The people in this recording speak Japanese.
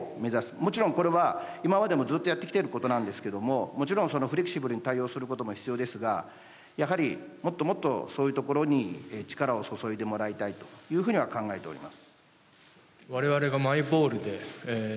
もちろんこれは、今までもずっとやってきていることなんですがもちろんフレキシブルに対応することも必要ですがやはりもっともっとそういうところに力を注いでもらいたいと考えています。